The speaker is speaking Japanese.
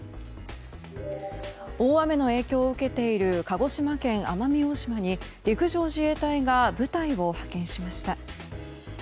大雨の影響を受けている鹿児島県奄美大島に陸上自衛隊が部隊を派遣しました。